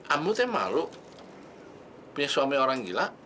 amu tuh yang malu punya suami orang gila